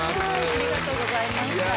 ありがとうございましたいや